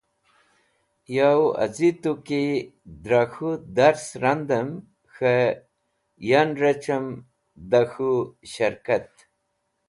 Yow az̃i tu ki dra k̃hũ dars randem k̃he yan rec̃hem da k̃hũ sharkat.